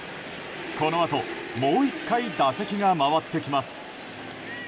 このあともう１回打席が回ってきます。